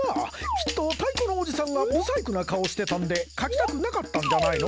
きっと太鼓のおじさんが不細工な顔してたんで描きたくなかったんじゃないの？